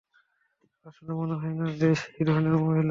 আসলে, মনে হয় না যে ও সেই ধরনের মহিলা।